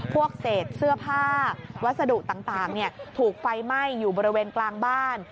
พวกเศษเสื้อผ้าวัสดุต่างถูกไฟไหม้อยู่บริเวณกลางบ้าน